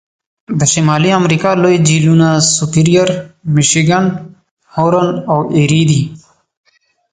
د شمالي امریکا لوی جهیلونه سوپریر، میشیګان، هورن او ایري دي.